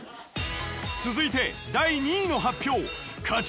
続いて第２位の発表勝ち